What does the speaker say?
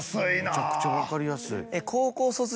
むちゃくちゃ分かりやすい。